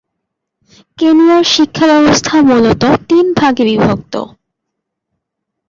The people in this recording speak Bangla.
কেনিয়ার শিক্ষাব্যবস্থা মূলত তিনভাগে বিভক্ত।